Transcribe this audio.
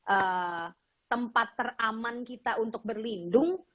ee tempat teraman kita untuk berlindung